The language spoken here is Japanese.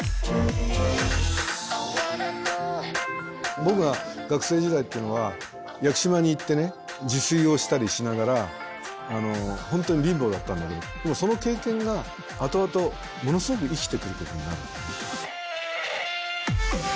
僕は学生時代っていうのは屋久島に行って自炊をしたりしながら本当に貧乏だったんだけどでもその経験が後々ものすごく生きてくることになる。